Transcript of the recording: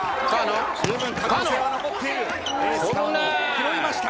拾いました。